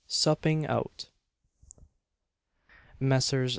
SUPPING OUT. Messrs.